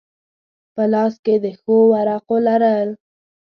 په لاس کې د ښو ورقو لرل.